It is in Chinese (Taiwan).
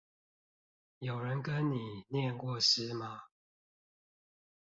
有人跟你唸過詩嗎